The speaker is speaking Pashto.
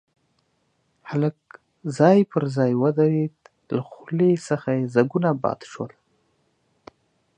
هلک ځای پر ځای ودرېد، له خولې څخه يې ځګونه باد شول.